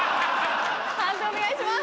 判定お願いします。